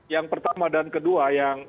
yang pertama dan kedua yang